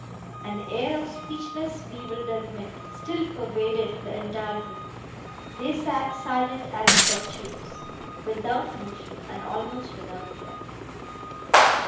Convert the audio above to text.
An air of speechless bewilderment still pervaded the entire group. They sat silent as statues, without motion, and almost without breath.